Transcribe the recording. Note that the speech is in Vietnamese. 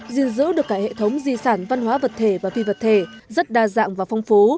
gìn giữ được cả hệ thống di sản văn hóa vật thể và phi vật thể rất đa dạng và phong phú